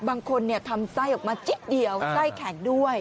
บางคนทำไส้ออกมาเจ๊เดียวไส้แข็งด้วย